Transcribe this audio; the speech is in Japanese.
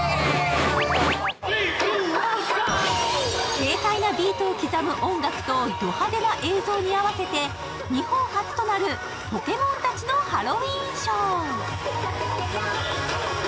軽快なビートを刻む音楽とド派手な映像に合わせて日本初となるポケモンたちのハロウィーンショー。